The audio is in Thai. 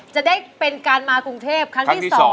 จะได้เป็นการมากรุงเทพครั้งที่๒